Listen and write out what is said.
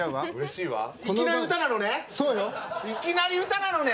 いきなり歌なのね？